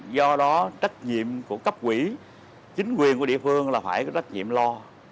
do đó trách nhiệm của cấp quỹ chính quyền của địa phương là phải có trách nhiệm lo